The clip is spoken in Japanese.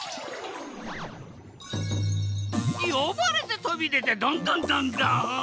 よばれてとびでてドンドンドンドン！